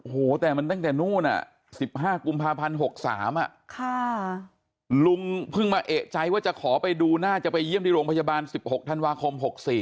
โอ้โหแต่มันตั้งแต่นู่น๑๕กุมภาพันธ์๖๓ลุงเพิ่งมาเอกใจว่าจะขอไปดูน่าจะไปเยี่ยมที่โรงพยาบาล๑๖ธันวาคม๖๔